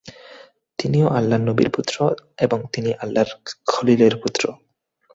তিনিও আল্লাহর নবীর পুত্র এবং তিনি আল্লাহর খলীলের পুত্র।